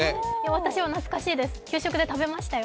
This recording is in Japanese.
私は懐かしいです、給食で食べましたよ。